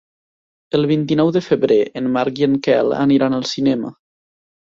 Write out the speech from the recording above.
El vint-i-nou de febrer en Marc i en Quel aniran al cinema.